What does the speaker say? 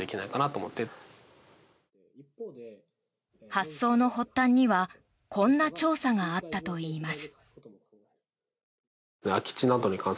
発想の発端にはこんな調査があったといいます。